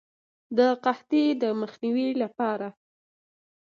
د قحطۍ د مخنیوي لپاره.